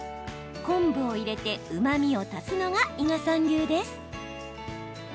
昆布を入れて、うまみを足すのが伊賀さん流です。